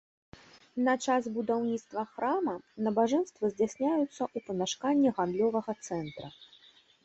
На час будаўніцтва храма набажэнствы здзяйсняюцца ў памяшканні гандлёвага цэнтра.